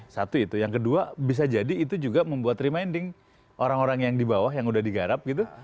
satu itu yang kedua bisa jadi itu juga membuat reminding orang orang yang di bawah yang udah digarap gitu